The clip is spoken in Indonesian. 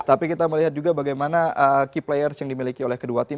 tapi kita melihat juga bagaimana key players yang dimiliki oleh kedua tim